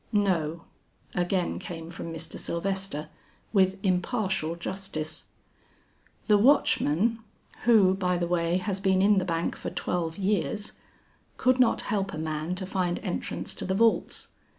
"No;" again came from Mr. Sylvester, with impartial justice. "The watchman who by the way has been in the bank for twelve years could not help a man to find entrance to the vaults.